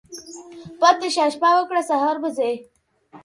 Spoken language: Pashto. پاتی شه، شپه وکړه ، سهار به ځی.